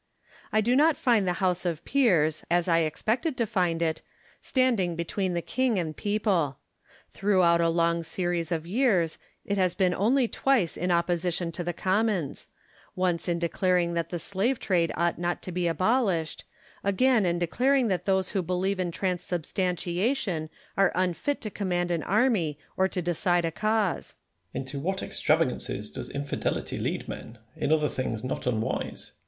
I do not find the House of Peers, as I expected to find it, standing between the king and people. Throughout a long series of years, it has been only twice in opposition to the Commons : once in declaring that the slave trade ought not to be abolished ; again in declaring that those who believe in transubstantiation are unfit to command an army or to decide a cause. Merino. Into what extravagances does infidelity lead men, in other things not unwise!